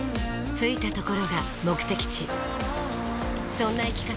着いたところが目的地そんな生き方